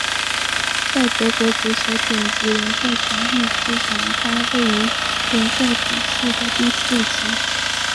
在德国足球丙级联赛成立之前它位于联赛体系的第四级。